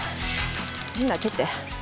陣内蹴って。